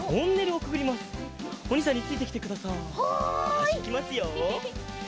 よしいきますよ。